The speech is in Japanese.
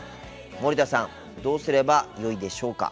森田さんどうすればよいでしょうか。